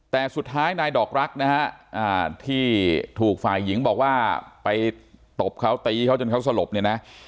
แต่สุดท้ายนายดอกรักนะฮะที่ถูกฝ่ายหญิงบอกว่าไปตบเขาตีเขาจนเขาสลบเนี่ยนะ